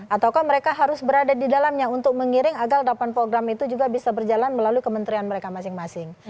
ataukah mereka harus berada di dalamnya untuk mengiring agar delapan program itu juga bisa berjalan melalui kementerian mereka masing masing